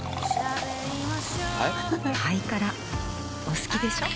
お好きでしょ。